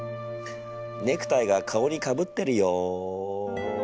ネクタイが顔にかぶってるよ。